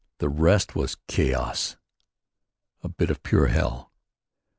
The rest was chaos, a bit of pure hell.